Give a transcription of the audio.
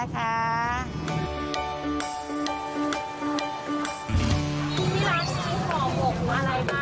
มีร้านที่ขอบบอะไรบ้างคะแม่